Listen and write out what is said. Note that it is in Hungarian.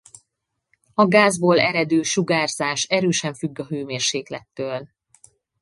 A gázból eredő sugárzás erősen függ a hőmérséklettől.